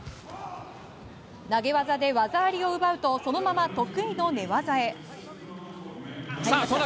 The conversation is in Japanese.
投げ技で技ありを奪うとそのまま得意の寝技へ。